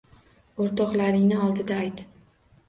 O‘rtoqlaringni oldida ayt!